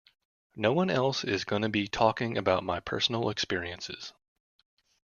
"No one else is gonna be talking about my personal experiences".